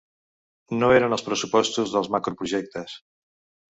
No eren els pressupostos dels macroprojectes.